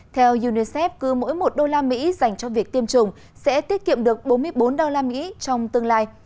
theo unicef cứ mỗi một đô la mỹ dành cho việc tiêm chủng sẽ tiết kiệm được bốn mươi bốn đô la mỹ